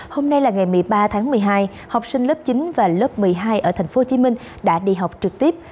hôm nay là ngày một mươi ba tháng một mươi hai học sinh lớp chín và lớp một mươi hai ở tp hcm đã đi học trực tiếp